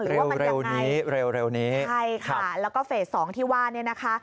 หรือว่ามันยังไงใช่ค่ะแล้วก็เฟส๒ที่ว่าเนี่ยนะคะ